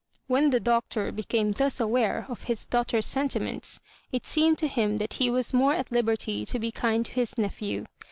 * When the Doctor became thus aware of his daughter's sentiments, it seemed to him that he was more at liberty to be kind to his nephew.